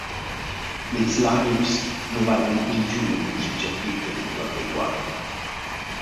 Ils laics nu vaivan ingüna vusch in chapitel in quel reguard.